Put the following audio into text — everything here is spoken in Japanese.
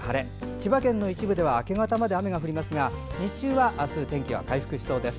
千葉県の一部では明け方まで雨が降りますが日中はあす天気が回復しそうです。